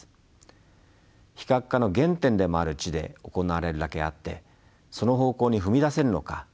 非核化の原点でもある地で行われるだけあってその方向に踏み出せるのか